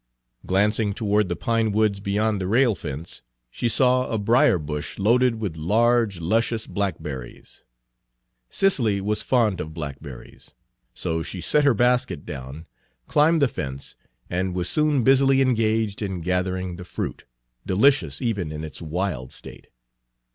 Glancing toward the pine woods beyond the rail fence, she saw a brier bush loaded with large, luscious blackberries. Cicely was fond of blackberries, so she set her basket down, climbed the fence, and was soon busily engaged in gathering the fruit, delicious even in its wild state.